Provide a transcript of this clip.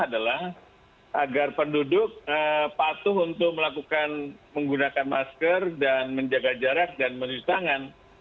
adalah agar penduduk patuh untuk melakukan menggunakan masker dan menjaga jarak dan mencuci tangan